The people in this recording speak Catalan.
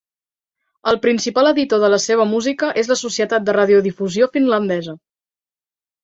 El principal editor de la seva música és la Societat de Radiodifusió Finlandesa.